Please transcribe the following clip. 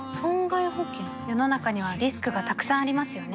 世の中にはリスクがたくさんありますよね